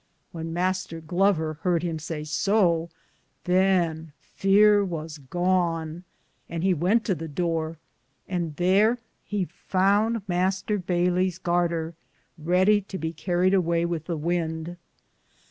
When Mr. Glover harde him say so, than feare was gone, and he wente to the Dore, and thare he founde Mr. Bayllis' garter reddie to be carried away with the wynde.